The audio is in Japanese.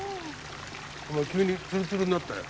お前急につるつるになったよ。